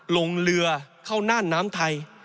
ลงเรือเข้าน่านน้ำไทย